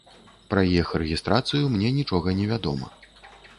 Пра іх рэгістрацыю мне нічога невядома.